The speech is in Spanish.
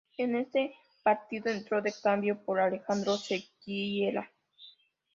En ese partido entró de cambio por Alejandro Sequeira.